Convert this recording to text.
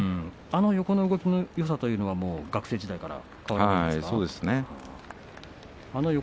あの横の動きのよさというのは学生時代から？